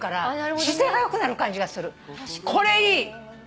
これいい。